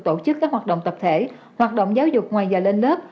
tổ chức các hoạt động tập thể hoạt động giáo dục ngoài giờ lên lớp